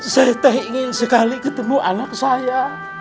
saya teh ingin sekali ketemu anak saya